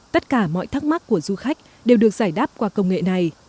tất cả mọi thắc mắc của du khách đều được giải đáp qua công nghệ này